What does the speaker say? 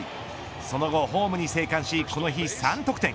その後ホームに生還しこの日３得点。